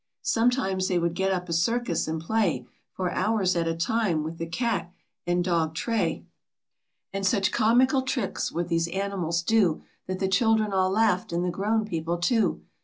Sometimes they would get up a circus, and play For hours at a time with the cat and dog I ray, 261 DAME TROT AND HER COMICAL CAT. And such comical tricks would these animals do, That the children all laughed, and the grown people too.